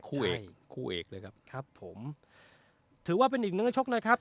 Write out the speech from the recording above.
คู่เอกคู่เอกเลยครับครับผมถือว่าเป็นอีกนักชกเลยครับ